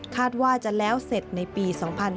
คาดว่าจะแล้วเสร็จในปี๒๕๕๙